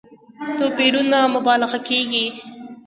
توپيرونو مبالغه کېږي.